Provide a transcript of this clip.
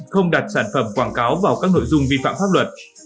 không đặt sản phẩm quảng cáo vào các nội dung vi phạm pháp luật